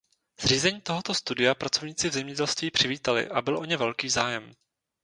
Zřízení tohoto studia pracovníci v zemědělství přivítali a byl o ně velký zájem.